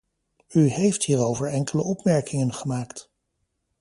U heeft hierover enkele opmerkingen gemaakt.